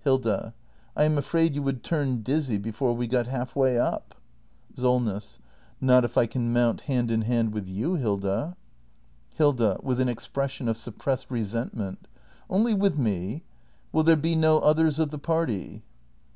Hilda. I am afraid you would turn dizzy before we got half way up. act m] THE MASTER BUILDER 427 SOLNESS. Not if I can mount hand in hand with you, Hilda. Hilda. [With an expression of suppressed resentment.] Only with me ? Will there be no others of the party